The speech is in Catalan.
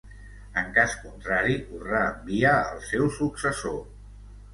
En cas contrari ho reenvia al seu successor.